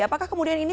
apakah kemudian ini